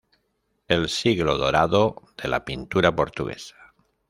El siglo dorado de la pintura portuguesa.